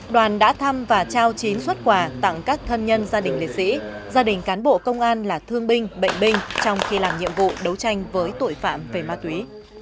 đoàn đã thăm và trao chín xuất quà tặng các thân nhân gia đình liệt sĩ gia đình cán bộ công an là thương binh bệnh binh trong khi làm nhiệm vụ đấu tranh với tội phạm về ma túy